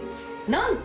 何と！